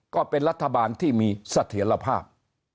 ก็เป็นรัฐบาลที่มีเสถียรภาพ